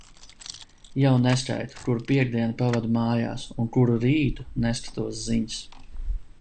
Jau neskaitu, kuru piektdienu pavadu mājās un kuru rītu neskatos ziņas.